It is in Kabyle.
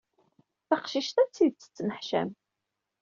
Taqcict-a d tidet tettneḥcam.